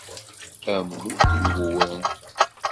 Ammud n uwren.